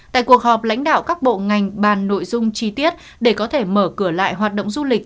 tại cuộc họp lãnh đạo các bộ ngành bàn nội dung chi tiết để có thể mở cửa lại hoạt động du lịch